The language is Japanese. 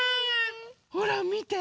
ほらみて。